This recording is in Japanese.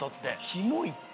キモいって。